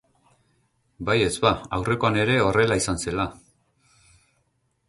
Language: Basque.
Baietz ba! Aurrekoan ere horrela izan zela!